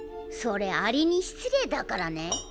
それアリに失礼だからね。